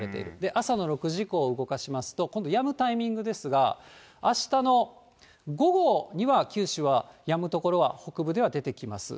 朝の６時以降を動かしますと、今度、やむタイミングですが、あしたの午後には九州はやむ所は北部では出てきます。